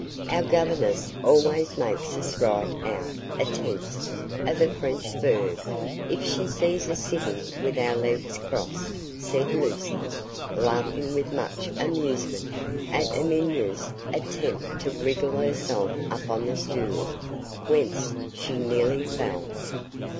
"Our governess always makes us write out a tense of a French verb if she sees us sitting with our legs crossed," said Lucy, laughing with much amusement at Amina's attempts to wriggle herself up on the stool whence she nearly fell.